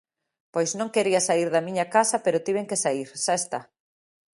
Pois non quería saír da miña casa pero tiven que saír, xa está.